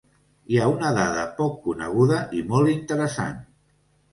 Hi ha una dada poc coneguda i molt interessant.